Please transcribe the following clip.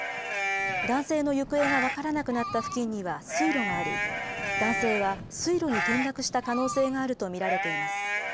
男性の行方が分からなくなった付近には水路があり、男性は水路に転落した可能性があると見られています。